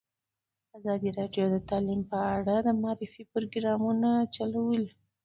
ازادي راډیو د تعلیم په اړه د معارفې پروګرامونه چلولي.